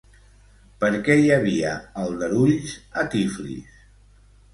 Per què hi havia aldarulls a Tiflis?